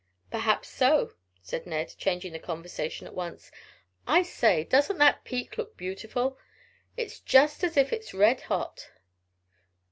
"Perhaps so," said Ned, changing the conversation at once. "I say, doesn't that peak look beautiful? It's just as if it is red hot."